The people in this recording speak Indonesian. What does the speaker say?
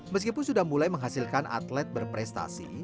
meskipun sudah mulai menghasilkan atlet berprestasi